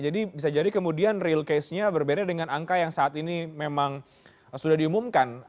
jadi bisa jadi kemudian real case nya berbeda dengan angka yang saat ini memang sudah diumumkan